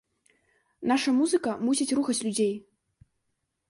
Наша музыка мусіць рухаць людзей.